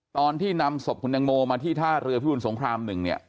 ตอนที่นำศพคุณตังโมมาที่ท่าเรือพิบุญสงคราม๑เนี่ย